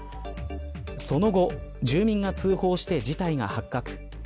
その後住民が通報して事態が発覚。